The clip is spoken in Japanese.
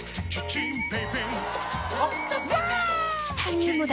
チタニウムだ！